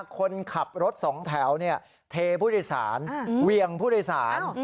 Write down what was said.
คนขับรถสองแถวเทผู้โดยสารเวียงผู้โดยสาร